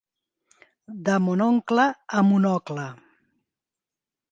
De Mon oncle a Monocle.